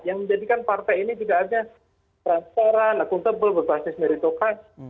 yang menjadikan partai ini juga harusnya transparan akuntabel berbasis meritokrasi